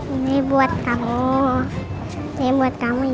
ini buat kamu ini buat kamu ya